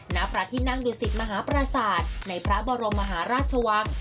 นับรัฐที่นั่งดูสิทธิ์มหาประสาทในพระบรมมหาราชวัง